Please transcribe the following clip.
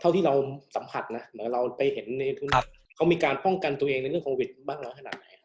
มีการป้องกันตัวเองในเรื่องของของวิทย์บ้างร้อยขนาดไหน